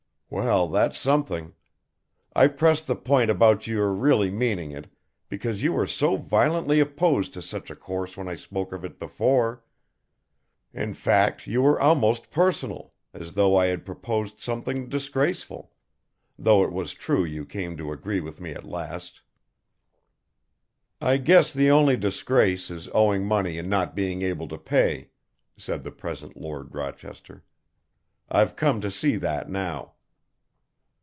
"Well, that's something. I pressed the point about your really meaning it, because you were so violently opposed to such a course when I spoke of it before. In fact you were almost personal, as though I had proposed something disgraceful though it was true you came to agree with me at last." "I guess the only disgrace is owing money and not being able to pay," said the present Lord Rochester. "I've come to see that now."